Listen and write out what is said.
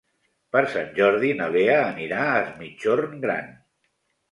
Per Sant Jordi na Lea anirà a Es Migjorn Gran.